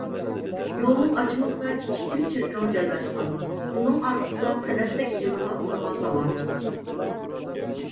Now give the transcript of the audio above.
يولنىڭ ئاچىمىقىدا كىچىككىنە چېركاۋ جايلاشقان. ئۇنىڭ ئارقىسىدا سەدەپتەك جىمىرلاپ تۇرغان دالا.